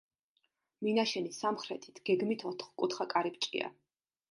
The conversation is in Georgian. მინაშენის სამხრეთით გეგმით ოთხკუთხა კარიბჭეა.